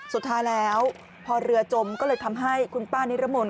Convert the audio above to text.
สุดท้ายแล้วพอเรือจมก็เลยทำให้คุณป้านิรมนต